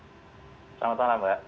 selamat malam mbak